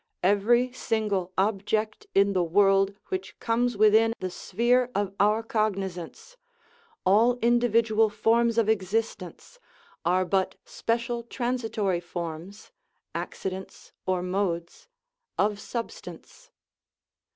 Every single object in the world which comes within the sphere of our cognizance, all individ ual forms of existence, are but special transitory forms accidents or modes of substance.